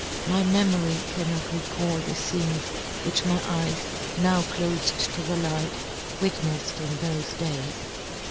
My " memory cannot recall the fcenes, " which my eyes, now clofed to the " light, witneflTed in thofe days.